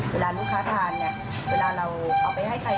เวลาลูกค้าทานเนี่ยเวลาเราเอาไปให้ใคร